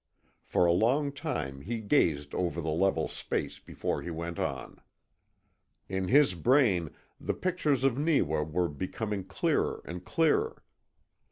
For a long time he gazed over the level space before he went on. In his brain the pictures of Neewa were becoming clearer and clearer.